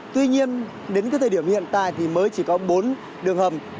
tuy nhiên đến thời điểm hiện tại thì mới chỉ có bốn đường hầm